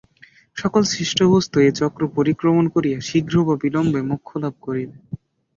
সকল সৃষ্ট বস্তুই এই চক্র পরিক্রমণ করিয়া শীঘ্র বা বিলম্বে মোক্ষলাভ করিবে।